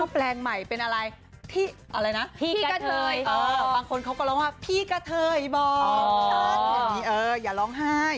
แรงใหม่เป็นอะไรพี่กะเทยบางคนเขาก็ร้องว่าพี่กะเทยบอกอย่าร้องไห้